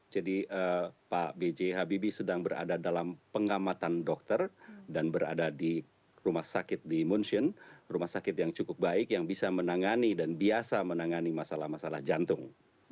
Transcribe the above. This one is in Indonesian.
jadi pak b j habibie sedang berada dalam pengamatan dokter dan berada di rumah sakit di munchen rumah sakit yang cukup baik yang bisa menangani dan biasa menangani masalah masalah jantung